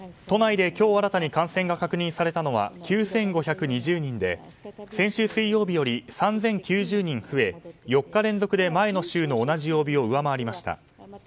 都内で今日新たに感染が確認されたのは９５２０人で先週水曜日より３０９０人増え４日連続で前の週の同じ曜日を上回りました。